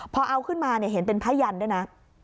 พอเอาขึ้นมาเห็นเป็นผ้ายันด้วยนะ